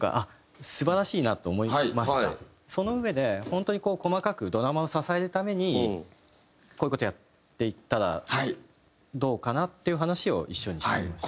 そのうえで本当に細かくドラマを支えるためにこういう事やっていったらどうかな？っていう話を一緒にしてきました。